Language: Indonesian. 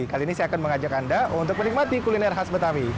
kali ini saya akan mengajak anda untuk menikmati kuliner khas betawi